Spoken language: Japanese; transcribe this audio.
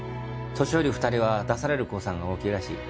年寄り２人は出される公算が大きいらしい。